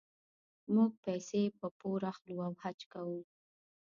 موږ پیسې په پور اخلو او حج کوو.